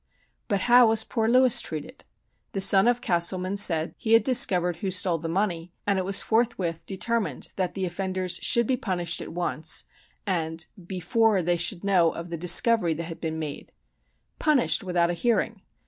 But how was poor Lewis treated? The son of Castleman said he had discovered who stole the money; and it was forthwith "determined that the offenders should be punished at once, and before they should know of the discovery that had been made." Punished without a hearing!